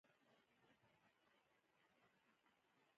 سپوږمۍ کې د ژوند لپاره لازم شرایط نشته